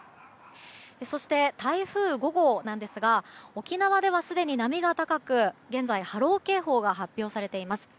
そして、台風５号ですが沖縄ではすでに波が高く現在波浪警報が発表されています。